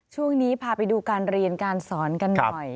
ช่วงนี้พาไปดูการเรียนการสอนกันหน่อย